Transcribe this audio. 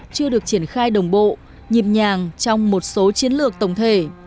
chưa được triển khai đồng bộ nhịp nhàng trong một số chiến lược tổng thể